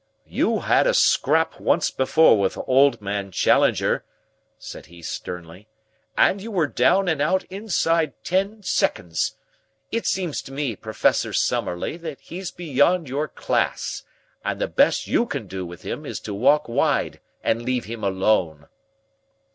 "You had a scrap once before with old man Challenger," said he sternly, "and you were down and out inside ten seconds. It seems to me, Professor Summerlee, he's beyond your class, and the best you can do with him is to walk wide and leave him alone."